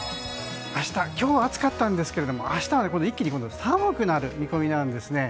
今日暑かったんですけれども明日は一気に寒くなる見込みなんですね。